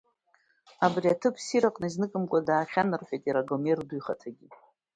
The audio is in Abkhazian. Абри аҭыԥ ссир аҟны изныкымкәа даахьан рҳәеит, иара Гомер ду ихаҭагьы.